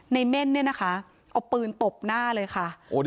เม่นเนี่ยนะคะเอาปืนตบหน้าเลยค่ะ